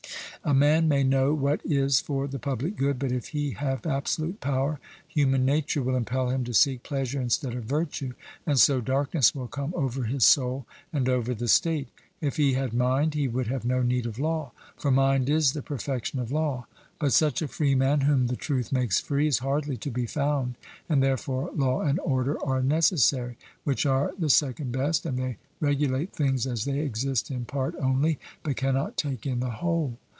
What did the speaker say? A man may know what is for the public good, but if he have absolute power, human nature will impel him to seek pleasure instead of virtue, and so darkness will come over his soul and over the state. If he had mind, he would have no need of law; for mind is the perfection of law. But such a freeman, 'whom the truth makes free,' is hardly to be found; and therefore law and order are necessary, which are the second best, and they regulate things as they exist in part only, but cannot take in the whole.